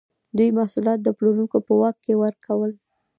دوی محصولات د پلورونکو په واک کې ورکول.